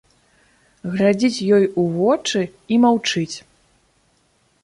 Глядзіць ёй у вочы і маўчыць.